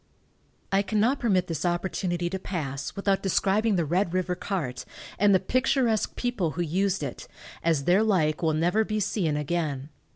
I cannot permit this opportunity to pass without describing the Red river cart, and the picturesque people who used it, as their like will never be seen again.